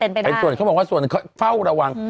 ต้องเรียกว่ามันไม่เป็น